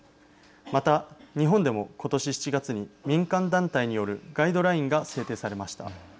また、日本でも今年７月に民間団体によるガイドラインが制定されました。